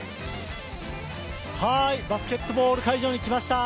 バスケットボール会場に来ました。